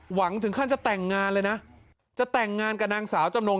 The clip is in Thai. หวังถึงขั้นจะแต่งงานเลยนะจะแต่งงานกับนางสาวจำนง